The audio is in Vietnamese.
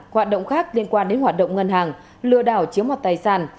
hoạt động khác liên quan đến hoạt động ngân hàng lừa đảo chiếm mọt tài sản